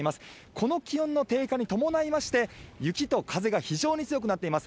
この気温の低下に伴いまして、雪と風が非常に強くなっています。